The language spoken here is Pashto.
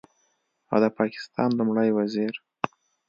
او د پاکستان لومړي وزیر